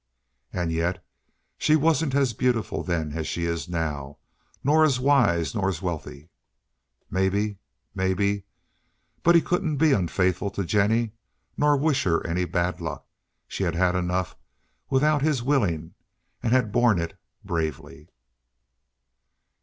"And yet she wasn't as beautiful then as she is now, nor as wise, nor as wealthy." Maybe! Maybe! But he couldn't be unfaithful to Jennie nor wish her any bad luck. She had had enough without his willing, and had borne it bravely.